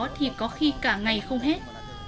thì có khi cả ngày không hết